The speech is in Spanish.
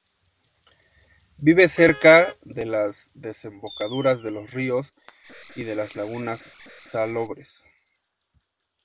Vive cerca de las desembocaduras de los ríos y de las lagunas salobres.